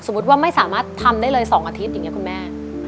ว่าไม่สามารถทำได้เลย๒อาทิตย์อย่างนี้คุณแม่